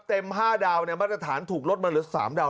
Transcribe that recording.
แต่ถ้าเต็มห้าดาวมฎฐานถูกลดมันเหลือ๓ดาว